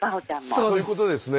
そういうことですね。